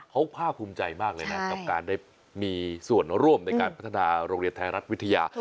เขาภาคภูมิใจมากเลยนะกับการได้มีส่วนร่วมในการพัฒนาโรงเรียนไทยรัฐวิทยา